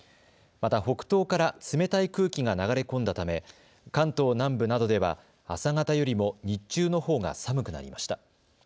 また北東から冷たい空気が流れ込んだため関東南部などでは朝方よりも日中のほうが寒くなりました。